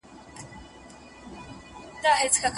له کلونو پکښي کور د لوی تور مار وو